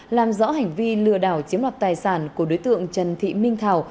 làm rõ hành vi lừa đảo chiếm đoạt tài sản của đối tượng trần thị minh thảo